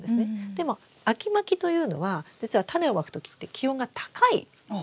でも秋まきというのは実はタネをまくときって気温が高いですよね。